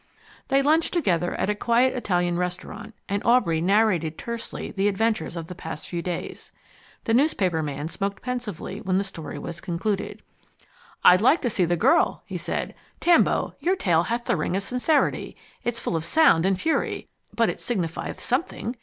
They lunched together at a quiet Italian restaurant, and Aubrey narrated tersely the adventures of the past few days. The newspaper man smoked pensively when the story was concluded. "I'd like to see the girl," he said. "Tambo, your tale hath the ring of sincerity. It is full of sound and fury, but it signifieth something.